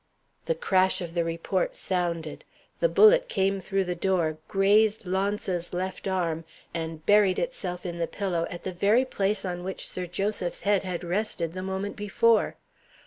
The crash of the report sounded. The bullet came through the door, grazed Launce's left arm, and buried itself in the pillow, at the very place on which Sir Joseph's head had rested the moment before.